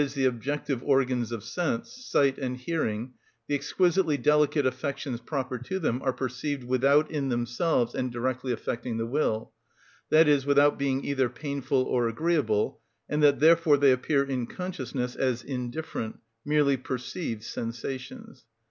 _, the objective, organs of sense (sight and hearing) the exquisitely delicate affections proper to them are perceived without in themselves and directly affecting the will, that is, without being either painful or agreeable, and that therefore they appear in consciousness as indifferent, merely perceived, sensations.